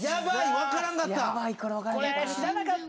分からんかった。